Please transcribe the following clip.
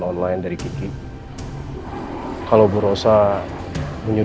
nanti macetnya parah gimana